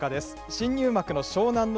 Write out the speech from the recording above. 新入幕の湘南乃